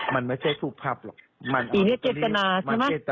มันไม่ใช่ถูกพับหรอกมันปีนี้เจตนาใช่ไหม